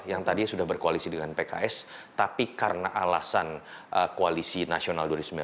yang tadi sudah berkoalisi dengan pks tapi karena alasan koalisi nasional dua ribu sembilan belas